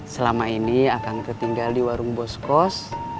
selama ini akan ketinggal di warung boskos